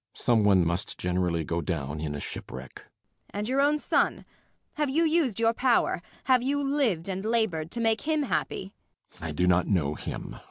] Some one must generally go down in a shipwreck. MRS. BORKMAN. And your own son! Have you used your power have you lived and laboured to make him happy?